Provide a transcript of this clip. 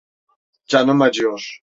Canım acıyor!